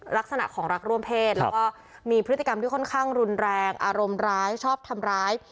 ลักษณะของรักร่วมเพศแล้วก็มีพฤติกรรมที่ค่อนข้างรุนแรงอารมณ์ร้ายชอบทำร้าย